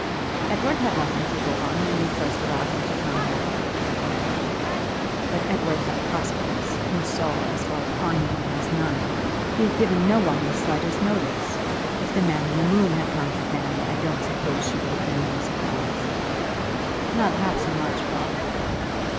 "Edward had nothing to live on, when you first allowed him to come here," said Mary. "But Edward had prospects, and Saul, as far as I know, has none. He had given no one the slightest notice. If the man in the moon had come to Fanny I don't suppose she would have been more surprised." "Not half so much, papa."